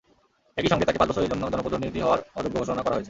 একই সঙ্গে তাঁকে পাঁচ বছরের জন্য জনপ্রতিনিধি হওয়ার অযোগ্য ঘোষণা করা হয়েছে।